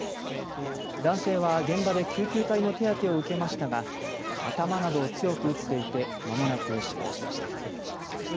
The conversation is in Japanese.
男性は現場で救急隊の手当てを受けましたが頭などを強く打っていてまもなく死亡しました。